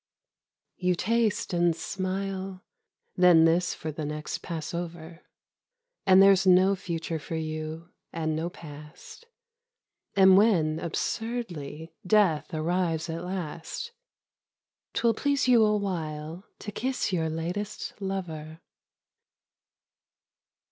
You taste and smile, then this for the next pass over ; And there's no future for you and no past, And when, absurdly, death arrives at last, 'Twill please you awhile to kiss your latest lover.